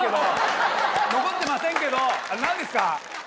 残ってませんけど何ですか？